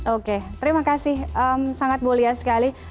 oke terima kasih sangat mulia sekali